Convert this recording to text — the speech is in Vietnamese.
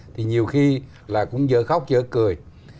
thì nhiều khi là cũng dở khóc dở cười